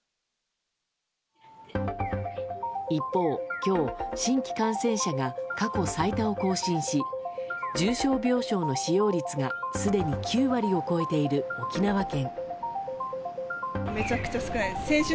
一方、今日新規感染者が過去最多を更新し重症病床の使用率がすでに９割を超えている沖縄県。